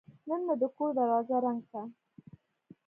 نن مې د کور دروازه رنګ کړه.